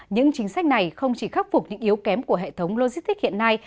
những chính sách này không chỉ khắc phục những yếu kém của hệ thống logistic hiện nay